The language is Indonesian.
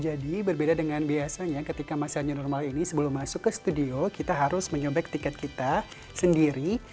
jadi berbeda dengan biasanya ketika masanya normal ini sebelum masuk ke studio kita harus menyobek tiket kita sendiri